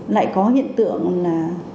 lại có hiện tượng là